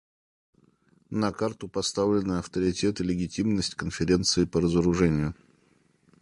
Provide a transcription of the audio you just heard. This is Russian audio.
На карту поставлены авторитет и легитимность Конференции по разоружению.